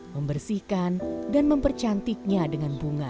membersihkan dan mempercantiknya dengan bunga